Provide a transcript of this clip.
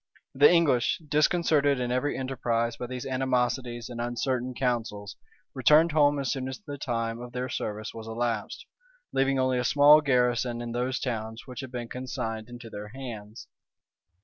The English, disconcerted in every enterprise by these animosities and uncertain counsels, returned home as soon as the time of their service was elapsed, leaving only a small garrison in those towns which had been consigned into their hands.